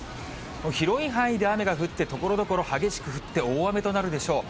広い範囲で雨が降って、ところどころ激しく降って、大雨となるでしょう。